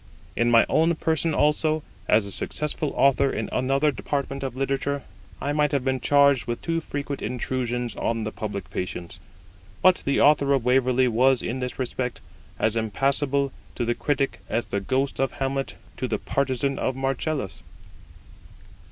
In my own person also, as a successful author in another department of literature, I might have been charged with too frequent intrusions on the public patience; but the Author of Waverley was in this respect as impassible to the critic as the Ghost of Hamlet to the partisan of Marcellus.